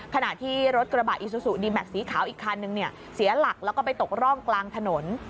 ขณะที่รถกระบะอิซูซูดีแม็กซีขาวอีกคันนึงเนี่ยเสียหลักแล้วก็ไปตกร่องกลางถนน